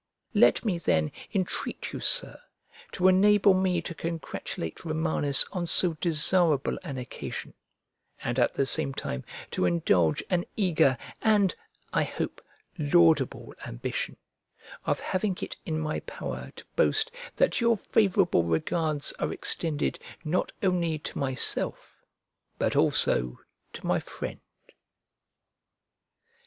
Let me, then, entreat you, Sir, to enable me to congratulate Romanus on so desirable an occasion, and at the same time to indulge an eager and, I hope, laudable ambition, of having it in my power to boast that your favourable regards are extended not only to myself, but also to my friend.